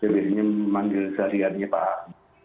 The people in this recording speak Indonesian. biasanya memanggil sehariannya pak